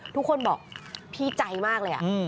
ทุกคนบอกพี่ใจมากเลย